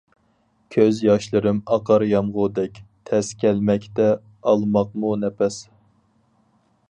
كۆز ياشلىرىم ئاقار يامغۇردەك، تەس كەلمەكتە ئالماقمۇ نەپەس.